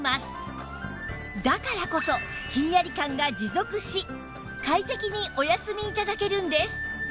だからこそひんやり感が持続し快適にお休み頂けるんです